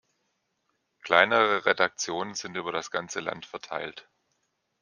Kleinere Redaktionen sind über das ganze Land verteilt.